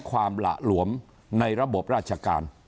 เขาก็ไปร้องเรียน